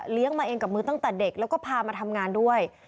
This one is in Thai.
มาเองกับมือตั้งแต่เด็กแล้วก็พามาทำงานด้วย